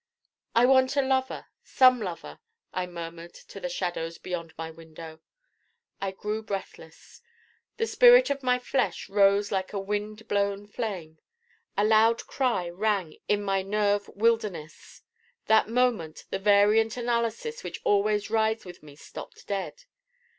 'I want a Lover some Lover' I murmured to the shadows beyond my window. I grew breathless. The spirit of my flesh rose like a wind blown flame. A loud cry rang in my nerve wilderness. That moment the variant analysis which always rides with me stopped dead.